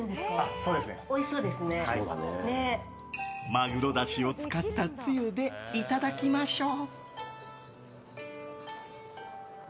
マグロだしを使ったつゆでいただきましょう。